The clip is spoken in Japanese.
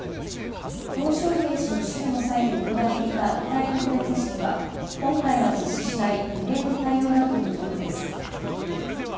トウ小平氏の死去の際に行っていた遺体告別式は今回は実施しない異例の対応だということです。